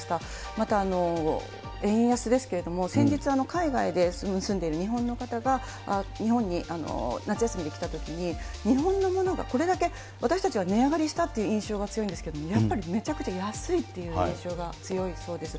また、円安ですけれども、先日、海外に住んでいる日本の方が日本に夏休みで来たときに、日本のものがこれだけ、私たちは値上がりしたっていう印象が強いんですけれども、やっぱりめちゃくちゃ安いという印象が強いそうです。